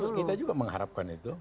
tentu kita juga mengharapkan itu